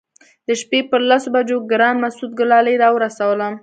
د شپې پر لسو بجو ګران مسعود ګلالي راورسولم.